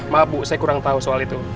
maaf bu saya kurang tahu soal itu